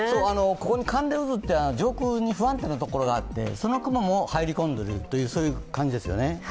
ここに寒冷渦、上空に不安定なところがあって、その雲も入り込んでいる感じですね。